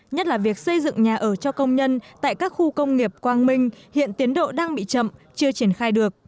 nhất là việc xây dựng nhà ở cho công nhân tại các khu công nghiệp quang minh hiện tiến độ đang bị chậm chưa triển khai được